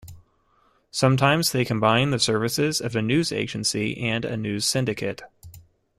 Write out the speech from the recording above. Sometimes they combine the services of a news agency and a news syndicate.